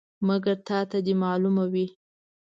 مګر تا ته دې معلومه وي.